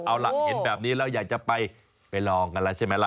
เอาล่ะเห็นแบบนี้แล้วอยากจะไปไปลองกันแล้วใช่ไหมล่ะ